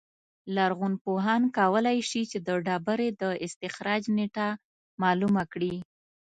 لرغونپوهان کولای شي چې د ډبرې د استخراج نېټه معلومه کړي